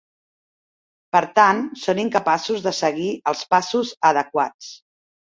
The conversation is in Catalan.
Per tant, són incapaços de seguir els passos adequats.